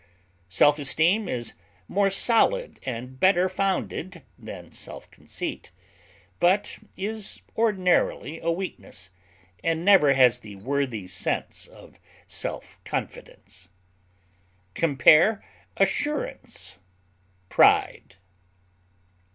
Self esteem is more solid and better founded than self conceit; but is ordinarily a weakness, and never has the worthy sense of self confidence. Compare ASSURANCE; PRIDE.